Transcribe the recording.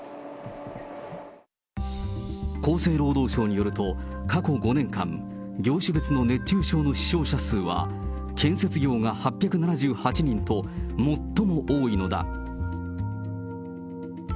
厚生労働省によると、過去５年間、業種別の熱中症の死傷者数は、建設業が８７８人と、最も多いのだ。